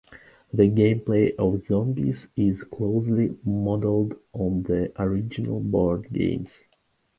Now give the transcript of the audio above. The game play of "Zombies" is closely modeled on the original board game.